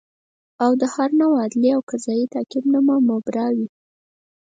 او د هر نوع عدلي او قضایي تعقیب نه به مبرا وي